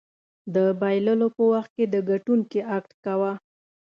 د بایللو په وخت کې د ګټونکي اکټ کوه.